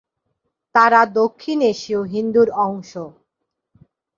তারা দক্ষিণ এশীয় হিন্দুর অংশ।